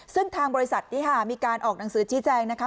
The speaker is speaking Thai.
ซึ่งทางบริษัทมีการออกหนังสือชี้แจงนะคะ